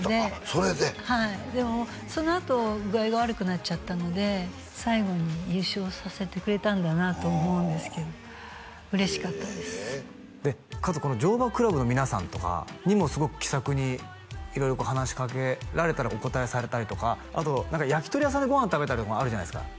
それではいでもそのあと具合が悪くなっちゃったので最後に優勝させてくれたんだなと思うんですけど嬉しかったですかつこの乗馬クラブの皆さんとかにもすごく気さくに色々話しかけられたらお答えされたりとか焼き鳥屋さんでご飯食べたりとかあるじゃないですか